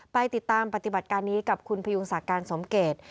ไปติดตามปฏิบัติการนี้กับคุณพยุงศักดิ์การสมเกต